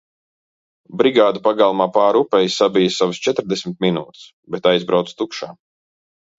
Brigāde pagalmā pāri upei sabija savas četrdesmit minūtes, bet aizbrauca tukšā.